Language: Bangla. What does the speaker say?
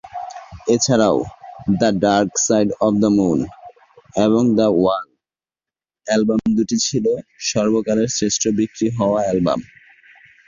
এছাড়াও "the dark side of the moon" এবং "দ্য ওয়াল" অ্যালবাম দুটি ছিল সর্বকালের শ্রেষ্ঠ-বিক্রি হওয়া অ্যালবাম।